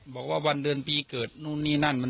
บอกว่าวันเดือนปีเกิดนู่นนี่นั่น